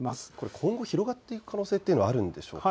今後広がっていく可能性はあるんでしょうか。